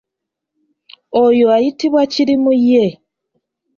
Oyo ayitibwa kirimuye.